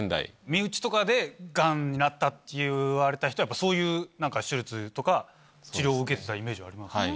身内とかでガンになったっていわれた人はやっぱそういう手術とか治療を受けてたイメージはありますね。